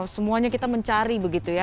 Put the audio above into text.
semuanya kita mencari begitu ya